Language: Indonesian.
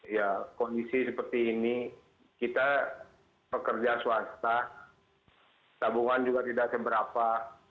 ya kondisi seperti ini kita pekerja swasta tabungan juga tidak seberapa